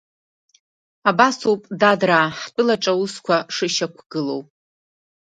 Абасоуп, дадраа, ҳтәылаҿы аусқәа шышьақәгылоу…